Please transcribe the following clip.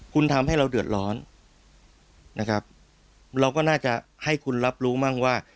คุณทำให้เราเดือดร้อนนะครับเราก็น่าจะให้คุณรับรู้มั่งว่า